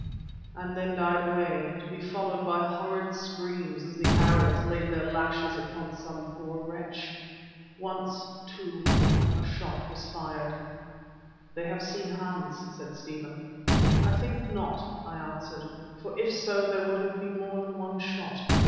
_" and then died away, to be followed by horrid screams as the Arabs laid their lashes upon some poor wretch. Once too, a shot was fired. "They have seen Hans," said Stephen. "I think not," I answered, "for if so there would have been more than one shot.